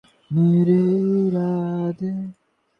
ওহ, দাঁড়াও, দাঁড়াও, থামো।